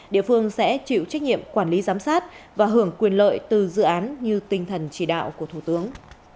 địa phương sẽ chịu trách nhiệm quản lý giám sát và hưởng quyền lợi từ dự án như tinh thần chỉ đạo của thủ tướng